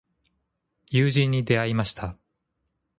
友人に出会いました。